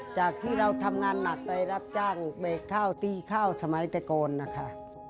จากที่เราทำงานหนักไปรับจ้างเมร็คเข้าตีเข้าสมัยแต่ก่อนค่ะ